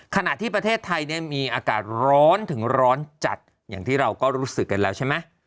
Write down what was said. ขณะที่ประเทศไทยเนี่ยมีอากาศร้อนถึงร้อนจัดอย่างที่เราก็รู้สึกกันแล้วใช่ไหม